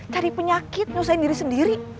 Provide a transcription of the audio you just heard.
cari penyakit nyusahin diri sendiri